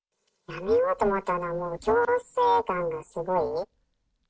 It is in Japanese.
やめようと思ったのはもう強制感がすごい。